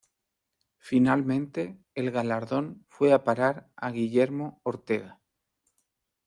Finalmente el galardón fue a parar a Guillermo Ortega.